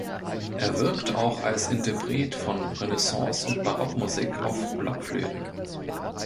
Er wirkt auch als Interpret von Renaissance- und Barockmusik auf Blockflöten.